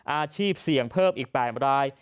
อาชีพเสี่ยงเพิ่มอีก๘ราย